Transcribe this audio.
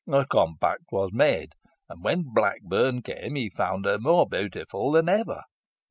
"The compact was made, and when Blackburn came he found her more beautiful than ever.